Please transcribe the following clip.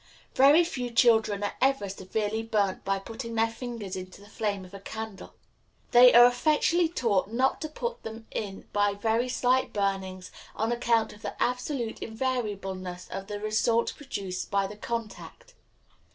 Very few children are ever severely burnt by putting their fingers into the flame of a candle. They are effectually taught not to put them in by very slight burnings, on account of the absolute invariableness of the result produced by the contact.